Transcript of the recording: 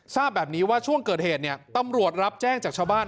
ทราบแบบนี้ว่าช่วงเกิดเหตุเนี่ยตำรวจรับแจ้งจากชาวบ้าน